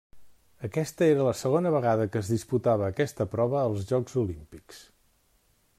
Aquesta era la segona vegada que es disputava aquesta prova als Jocs Olímpics.